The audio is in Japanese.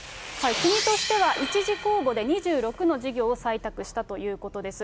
国としては１次公募で、２６の事業を採択したということです。